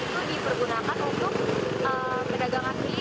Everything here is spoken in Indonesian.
karena ini hak untuk perjalan kaki bukan untuk parkir mereka pedagang atau parkir